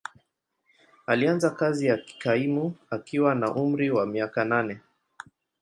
Alianza kazi ya kaimu akiwa na umri wa miaka nane.